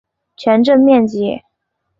全镇面积。